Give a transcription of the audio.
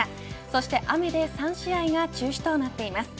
そして雨で３試合が中止となっています。